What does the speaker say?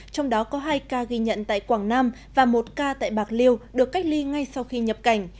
trong đó có hai ca ghi nhận tại quảng nam và một ca tại bạc liêu được cách ly ngay sau khi nhập cảnh